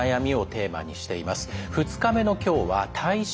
２日目の今日は体臭。